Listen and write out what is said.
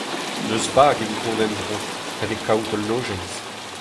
N'eus bag evit dont en-dro, ret eo kaout ul lojeiz.